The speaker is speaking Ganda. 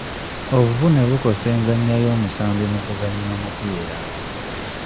Obuvune bukosa enzannya y'omusambi mu kuzannya omupiira.